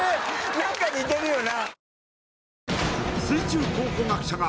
何か似てるよな